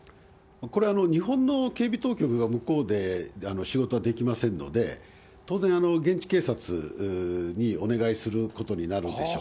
これは日本の警備当局が、向こうで仕事はできませんので、当然、現地警察にお願いすることになるでしょう。